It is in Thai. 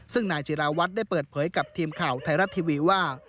ซึ่งนายจิราวัฒน์ได้เปิดเผยกับทีมข่าวไทยรัฐทีวีว่า